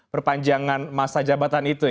perpanjangan masa jabatan itu